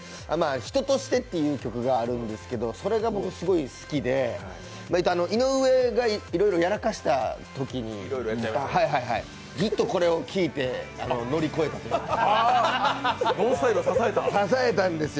「人として」という曲があるんですけどすごく好きで井上がいろいろやらかしたときに、ずっとこれを聴いて乗り越えたんです。